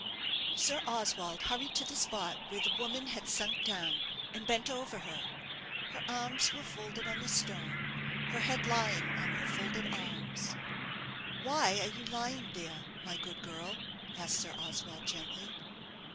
Sir Oswald hurried to the spot where the woman had sunk down, and bent over her. Her arms were folded on the stone, her head lying on her folded arms. "Why are you lying there, my good girl?" asked Sir Oswald, gently.